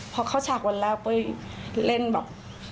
พอเข้าฉากวันแรกปุ้ยเล่นแบบ